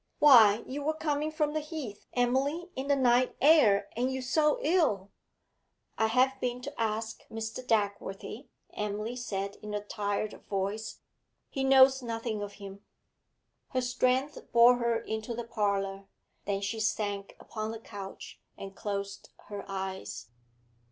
Why, you were coming from the Heath, Emily, in the night air, and you so ill!' 'I have been to ask Mr. Dagworthy,' Emily said in a tired voice. 'He knows nothing of him.' Her strength bore her into the parlour, then she sank upon the couch and closed her eyes.